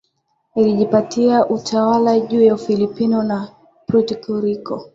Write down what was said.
ilijipatia utawala juu ya Ufilipino na Puerto Rico